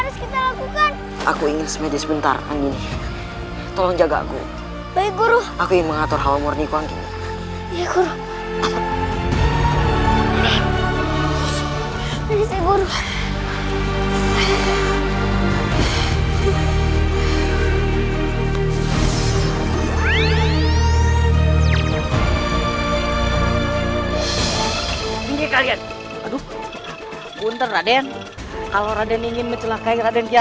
sampai jumpa di video selanjutnya